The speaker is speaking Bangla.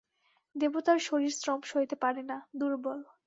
দেবতার শরীর শ্রম সইতে পারে না, দুর্বল।